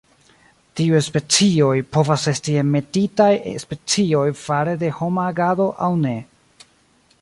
Tiuj specioj povas esti enmetitaj specioj fare de homa agado aŭ ne.